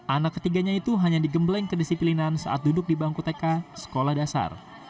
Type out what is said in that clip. anak ketiganya itu hanya digembleng kedisiplinan saat duduk di bangku tk sekolah dasar